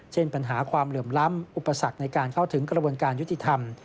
เช่นปัญหาความเหลื่อมล้ำอุปสรรคในการเข้าถึงกระบวนการยุติธรรม